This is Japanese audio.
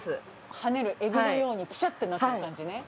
はねるえぐるようにシャッてなってる感じね。